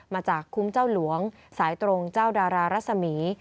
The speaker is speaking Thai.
มาจากคุ้มเจ้าหลวงสายตรงเจ้าดารารัศมี